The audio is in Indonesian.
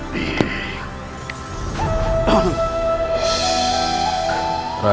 di mata wusti ratu